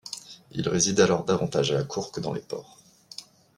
Il réside alors davantage à la cour que dans les ports.